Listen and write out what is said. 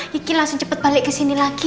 keki langsung cepet balik kesini lagi